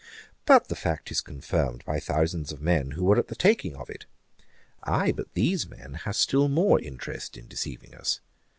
"But the fact is confirmed by thousands of men who were at the taking of it." Ay, but these men have still more interest in deceiving us.